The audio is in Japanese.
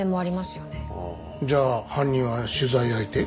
じゃあ犯人は取材相手？